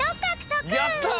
やった！